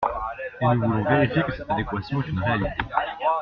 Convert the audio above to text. Et nous voulons vérifier que cette adéquation est une réalité.